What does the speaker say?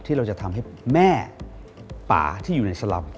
เราจะทำให้แม่ป่าที่อยู่ในสลับ